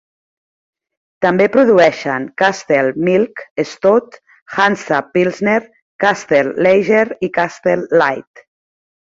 També produeixen Castle Milk Stout, Hansa Pilsner, Castle Lager i Castle Lite.